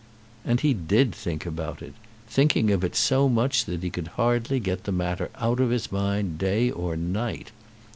And he did think about it, thinking of it so much that he could hardly get the matter out of his mind day or night.